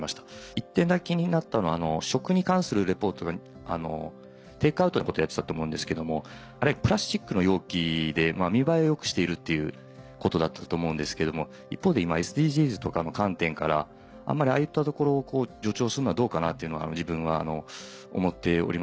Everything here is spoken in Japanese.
一点だけ気になったのは食に関するリポートがテイクアウトのことやってたと思うんですけどもプラスチックの容器で見栄えを良くしているっていうことだったと思うんですけども一方で今ＳＤＧｓとかの観点からあんまりああいったところを助長するのはどうかなっていうのは自分は思っておりまして。